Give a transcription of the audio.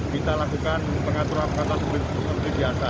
kita lakukan pengaturan pengaturan seperti biasa